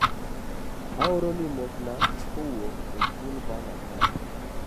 aoroni mosna kawuokb e skul Vanga kae,